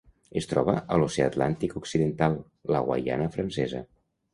Es troba a l'Oceà Atlàntic occidental: la Guaiana Francesa.